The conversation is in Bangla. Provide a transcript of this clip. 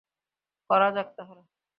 করা যাক তাহলে।